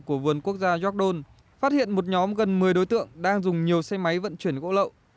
của vườn quốc gia york don phát hiện một nhóm gần một mươi đối tượng đang dùng nhiều xe máy vận chuyển gỗ lậu